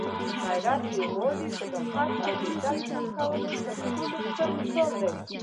غیرت د یووالي، صداقت او د عزت ژوند کولو تر ټولو ستر مثال دی.